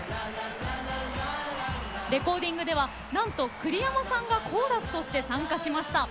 レコーディングではなんと栗山さんがコーラスとして参加しました。